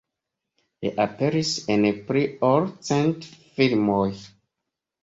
Li aperis en pli ol cent filmoj.